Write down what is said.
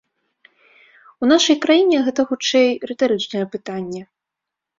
У нашай краіне гэта, хутчэй, рытарычнае пытанне.